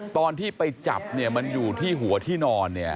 ตอนที่ไปจับเนี่ยมันอยู่ที่หัวที่นอนเนี่ย